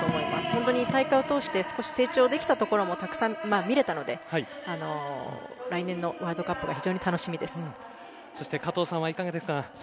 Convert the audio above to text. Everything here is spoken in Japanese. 本当に大会を通して成長できたところもたくさん見られたので来年のワールドカップが加藤さんはいかがですか？